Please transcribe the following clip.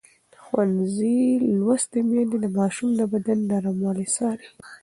ښوونځې لوستې میندې د ماشومانو د بدن نرموالی څاري.